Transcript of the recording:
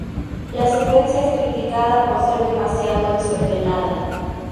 La secuencia es criticada por ser demasiado desordenada.